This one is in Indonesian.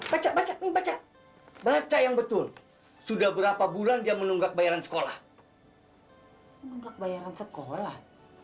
baca baca yang betul sudah berapa bulan dia menunggak bayaran sekolah menunggak bayaran sekolah